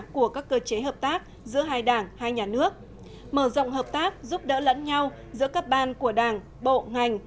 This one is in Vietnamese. của các cơ chế hợp tác giữa hai đảng hai nhà nước mở rộng hợp tác giúp đỡ lẫn nhau giữa các ban của đảng bộ ngành